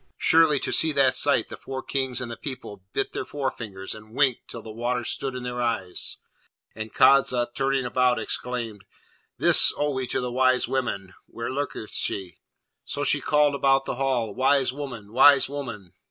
Surely, to see that sight the four Kings and the people bit their forefingers, and winked till the water stood in their eyes, and Kadza, turning about, exclaimed, 'This owe we to the wise woman! where lurketh she?' So she called about the hall, 'wise woman! wise woman!'